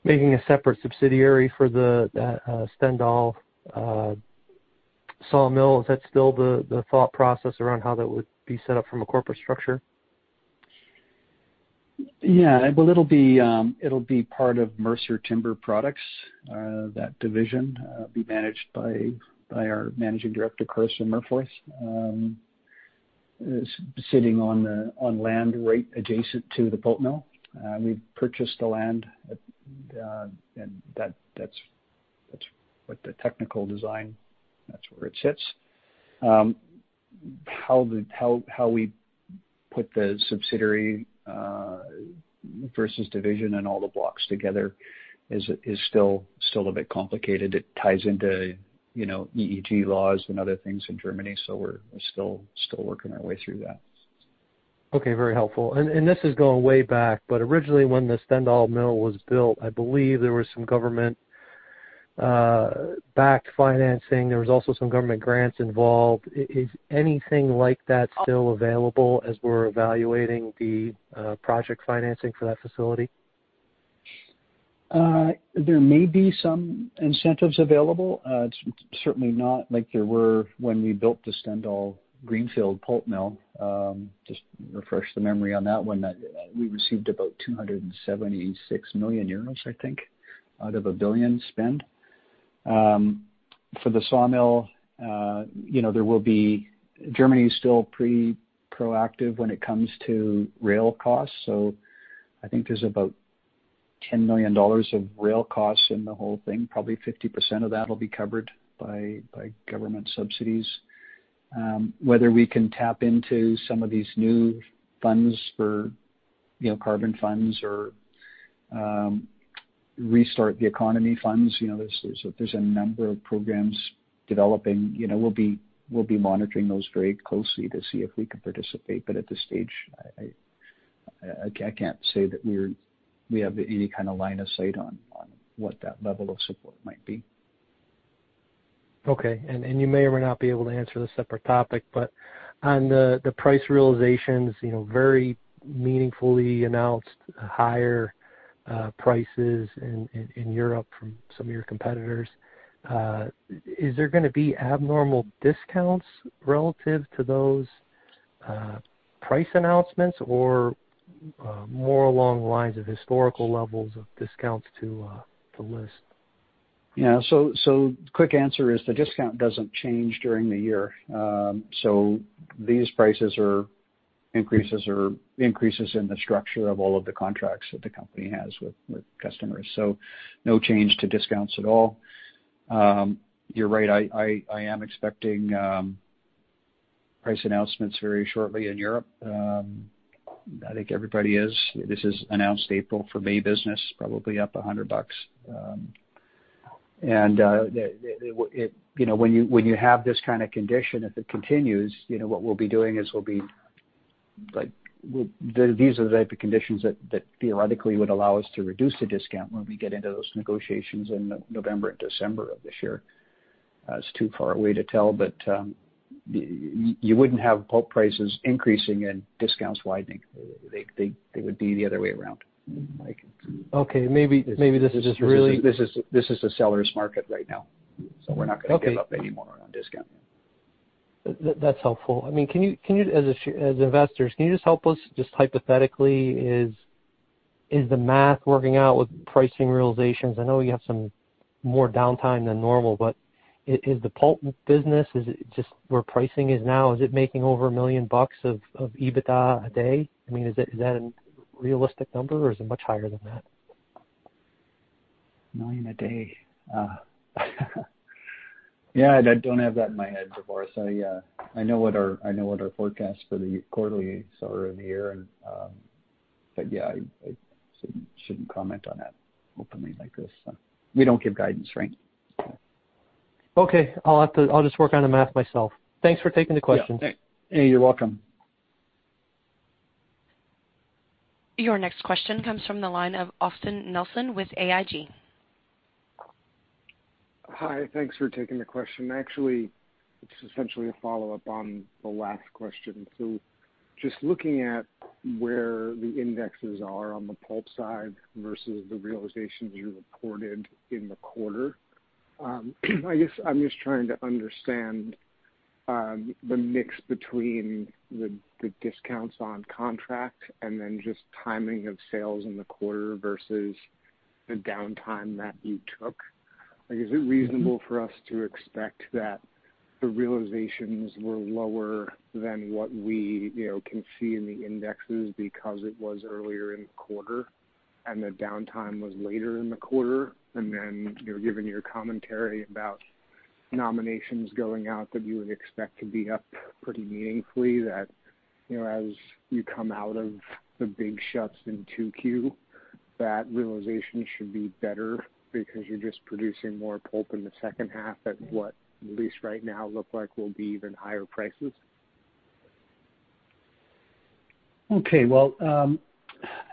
making a separate subsidiary for the Stendal sawmill. Is that still the thought process around how that would be set up from a corporate structure? Yeah. Well, it'll be part of Mercer Timber Products, that division. It'll be managed by our managing director, Carsten Merforth, sitting on land right adjacent to the pulp mill. We've purchased the land. And that's what the technical design—that's where it sits. How we put the subsidiary versus division and all the blocks together is still a bit complicated. It ties into EEG laws and other things in Germany. So we're still working our way through that. Okay. Very helpful. And this is going way back. But originally, when the Stendal mill was built, I believe there was some government-backed financing. There was also some government grants involved. Is anything like that still available as we're evaluating the project financing for that facility? There may be some incentives available. It's certainly not like there were when we built the Stendal Greenfield pulp mill. Just refresh the memory on that one. We received about 276 million euros, I think, out of a billion spend. For the saw mill, there will be. Germany is still pretty proactive when it comes to rail costs. So I think there's about $10 million of rail costs in the whole thing. Probably 50% of that will be covered by government subsidies. Whether we can tap into some of these new funds for carbon funds or restart the economy funds, there's a number of programs developing. We'll be monitoring those very closely to see if we can participate. But at this stage, I can't say that we have any kind of line of sight on what that level of support might be. Okay. And you may or may not be able to answer this separate topic, but on the price realizations, very meaningfully announced higher prices in Europe from some of your competitors. Is there going to be abnormal discounts relative to those price announcements or more along the lines of historical levels of discounts to list? Yeah. So the quick answer is the discount doesn't change during the year. So these prices are increases in the structure of all of the contracts that the company has with customers. So no change to discounts at all. You're right. I am expecting price announcements very shortly in Europe. I think everybody is. This is announced April for May business, probably up $100. And when you have this kind of condition, if it continues, what we'll be doing is these are the type of conditions that theoretically would allow us to reduce the discount when we get into those negotiations in November and December of this year. It's too far away to tell, but you wouldn't have pulp prices increasing and discounts widening. They would be the other way around. Okay. Maybe this is just really. This is a seller's market right now. So we're not going to give up anymore on discount. That's helpful. I mean, as investors, can you just help us just hypothetically? Is the math working out with pricing realizations? I know you have some more downtime than normal, but is the pulp business, just where pricing is now, is it making over $1 million of EBITDA a day? I mean, is that a realistic number, or is it much higher than that? A million a day. Yeah. I don't have that in my head, DeForest. I know what our forecast for the quarterly start of the year is. But yeah, I shouldn't comment on that openly like this. We don't give guidance, right? Okay. I'll just work on the math myself. Thanks for taking the question. Yeah. Hey, you're welcome. Your next question comes from the line of Austin Nelson with AIG. Hi. Thanks for taking the question. Actually, it's essentially a follow-up on the last question. So just looking at where the indexes are on the pulp side versus the realizations you reported in the quarter, I guess I'm just trying to understand the mix between the discounts on contract and then just timing of sales in the quarter versus the downtime that you took. Is it reasonable for us to expect that the realizations were lower than what we can see in the indexes because it was earlier in the quarter and the downtime was later in the quarter? And then given your commentary about nominations going out, that you would expect to be up pretty meaningfully, that as you come out of the big shuts in Q2, that realization should be better because you're just producing more pulp in the second half at what, at least right now, looks like will be even higher prices? Okay. Well,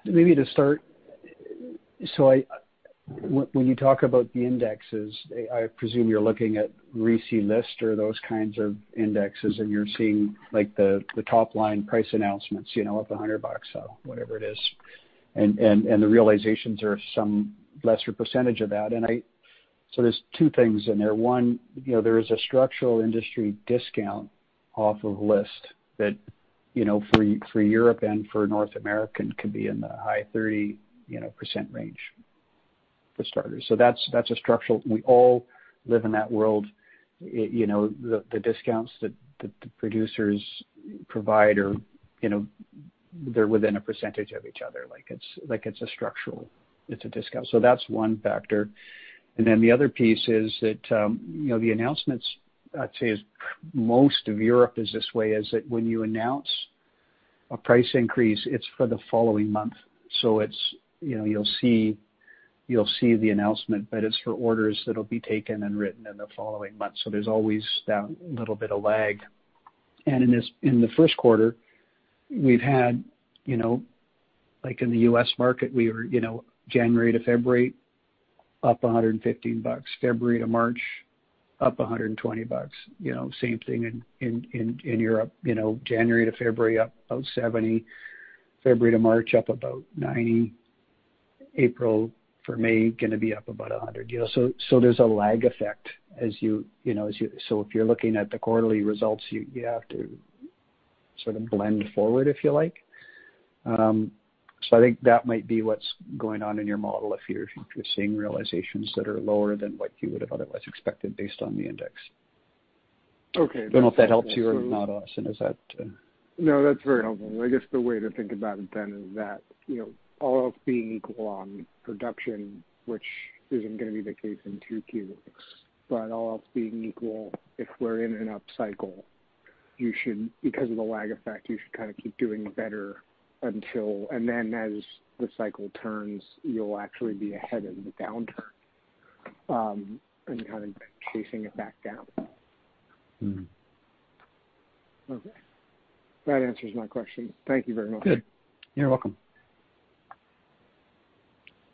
maybe to start, so when you talk about the indexes, I presume you're looking at Random Lengths or those kinds of indexes, and you're seeing the top-line price announcements of $100 or whatever it is. And the realizations are some lesser percentage of that. And so there's two things in there. One, there is a structural industry discount off of list that for Europe and for North America could be in the high 30% range for starters. So that's a structural, we all live in that world. The discounts that the producers provide, they're within a percentage of each other. It's a structural, it's a discount. So that's one factor. And then the other piece is that the announcements, I'd say, most of Europe is this way, is that when you announce a price increase, it's for the following month. So you'll see the announcement, but it's for orders that will be taken and written in the following month. So there's always that little bit of lag. And in the first quarter, we've had, like in the US market, we were January to February up $115. February to March up $120. Same thing in Europe. January to February up about 70. February to March up about 90. April for May going to be up about 100. So there's a lag effect as you—so if you're looking at the quarterly results, you have to sort of blend forward if you like. So I think that might be what's going on in your model if you're seeing realizations that are lower than what you would have otherwise expected based on the index. Okay. That's very helpful. I don't know if that helps you or not, Austin. Is that? No, that's very helpful. I guess the way to think about it then is that all else being equal on production, which isn't going to be the case in Q2, but all else being equal, if we're in an up cycle, because of the lag effect, you should kind of keep doing better until. And then as the cycle turns, you'll actually be ahead of the downturn and kind of chasing it back down. Okay. That answers my question. Thank you very much. Okay. You're welcome.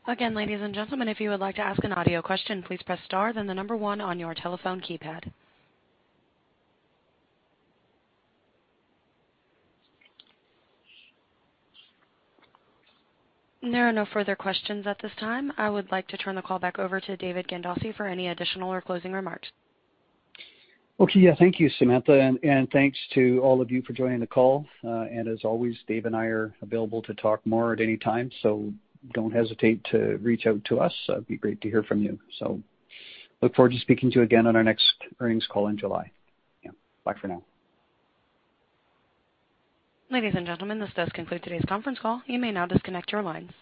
Again, ladies and gentlemen, if you would like to ask an audio question, please press star, then the number one on your telephone keypad. There are no further questions at this time. I would like to turn the call back over to David Gandossi for any additional or closing remarks. Okay. Yeah. Thank you, Samantha. And thanks to all of you for joining the call. And as always, Dave and I are available to talk more at any time. So don't hesitate to reach out to us. It'd be great to hear from you. So look forward to speaking to you again on our next earnings call in July. Yeah. Bye for now. Ladies and gentlemen, this does conclude today's conference call. You may now disconnect your lines.